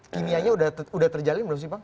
kimianya sudah terjalin belum sih bang